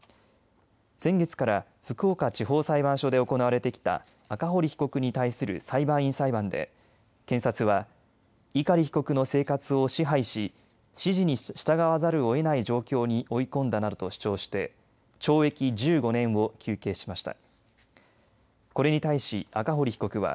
先月から福岡地方裁判所で行われてきた赤堀被告に対する裁判員裁判で検察は碇被告の生活を支配し指示に従わざるをえない状況に追い込んだなどと主張して懲役１５年を求刑しました。